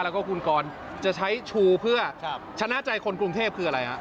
แล้วก็คุณกรจะใช้ชูเพื่อชนะใจคนกรุงเทพคืออะไรฮะ